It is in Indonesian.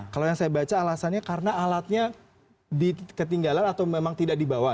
kalau yang saya baca alasannya karena alatnya di ketinggalan atau memang tidak dibawa